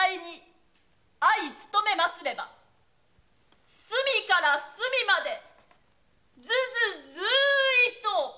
相勤めますれば隅から隅までずずずいっと。